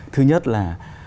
thứ nhất là